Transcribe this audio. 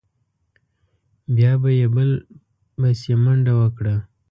بیا به یې بل بسې منډه وکړه.